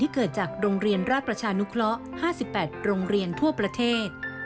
เกิดจากโรงเรียนราชประชานุเคราะห์๕๘โรงเรียนทั่วประเทศ